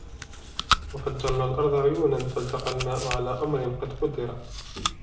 وَفَجَّرْنَا الْأَرْضَ عُيُونًا فَالْتَقَى الْمَاءُ عَلَى أَمْرٍ قَدْ قُدِرَ